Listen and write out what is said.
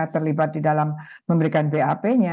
terlibat di dalam memberikan bap nya